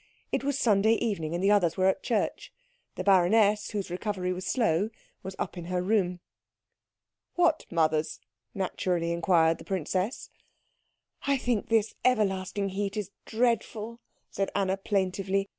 It was Sunday evening, and the others were at church. The baroness, whose recovery was slow, was up in her room. "What mothers?" naturally inquired the princess. "I think this everlasting heat is dreadful," said Anna plaintively.